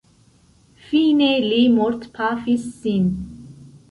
Fine li mortpafis sin.